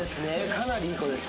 かなりいい子です。